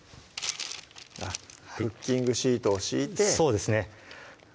クッキングシートを敷いてそうですね